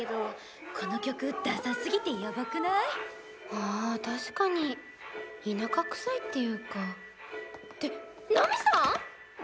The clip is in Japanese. あ確かに田舎くさいっていうかってナミさん